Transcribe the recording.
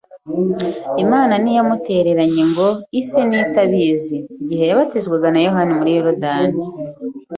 Imana ntiyamutereranye ngo ise n’itabizi. Igihe yabatizwaga na Yohana muri Yorodani